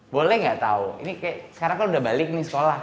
boleh nggak tahu ini kayak sekarang kan udah balik nih sekolah